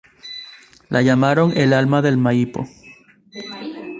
La llamaron "El alma del Maipo".